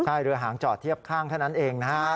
ใช่เรือหางจอดเทียบข้างเท่านั้นเองนะฮะ